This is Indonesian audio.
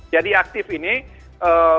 jadi aktif ini bagaimana pendamping